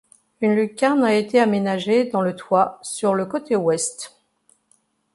Une lucarne a été aménagée dans le toit, sur le côté ouest.